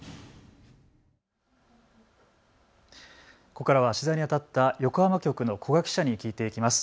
ここからは取材にあたった横浜局の古賀記者に聞いていきます。